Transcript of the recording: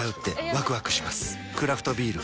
クラフトビール